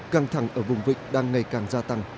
căng thẳng ở vùng vịnh đang ngày càng gia tăng